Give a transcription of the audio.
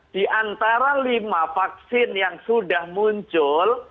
diantara lima vaksin yang sudah muncul